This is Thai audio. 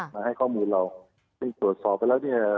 มาให้ข้อมูลเราได้ตรวจสอบไปแล้วเนี่ย